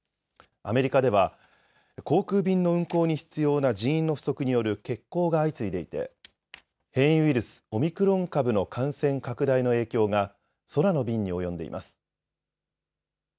アメリカでは航空便の運航に必要な人員の不足による欠航が相次いでいて変異ウイルス、オミクロン株の感染拡大の影響が空の便に及んでいます。